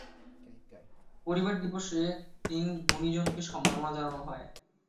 পরিবার দিবসে তিন গুণীজনকে সম্মাননা জানানো হয়।